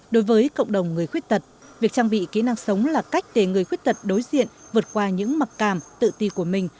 đối với cộng đồng người khuyết tật việc trang bị kỹ năng sống là cách để người khuyết tật đối diện vượt qua những mặc cảm tự ti của mình